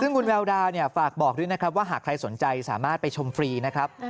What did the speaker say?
ซึ่งคุณแววดาฝากบอกด้วยนะครับว่าหากใครสนใจสามารถไปชมฟรีนะครับ